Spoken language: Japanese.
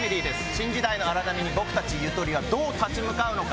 新時代の荒波に僕たちゆとりはどう立ち向かうのか？